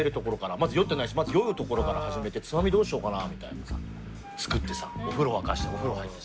まず酔ってないしまず酔うところから始めてつまみどうしようかなみたいなさ作ってさお風呂沸かしてお風呂入ってさ